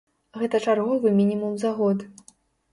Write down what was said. Гэта чарговы мінімум за год.